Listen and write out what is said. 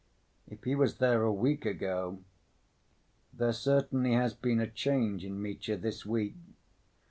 if he was there a week ago ... there certainly has been a change in Mitya this week."